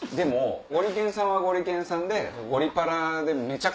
ゴリけんさんはゴリけんさんで。